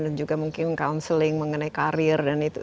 dan juga mungkin counseling mengenai karir dan itu